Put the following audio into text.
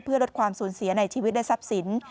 เพื่อลดความสูญเสียในชีวิตและทรัพย์สิน